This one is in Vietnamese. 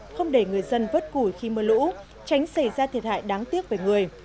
không để người dân vớt củi khi mưa lũ tránh xảy ra thiệt hại đáng tiếc về người